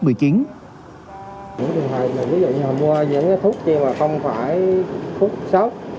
ví dụ như họ mua những cái thuốc kia mà không phải thuốc sốc